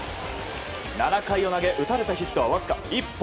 ７回を投げ打たれたヒットはわずか１本。